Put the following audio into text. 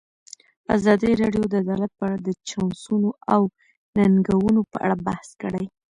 ازادي راډیو د عدالت په اړه د چانسونو او ننګونو په اړه بحث کړی.